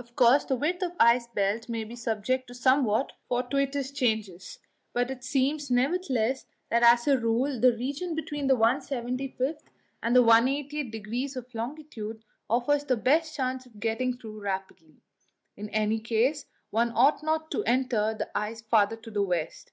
Of course, the width of the ice belt may be subject to somewhat fortuitous changes, but it seems, nevertheless, that as a rule the region between the 175th and the 180th degrees of longitude offers the best chance of getting through rapidly; in any case, one ought not to enter the ice farther to the west.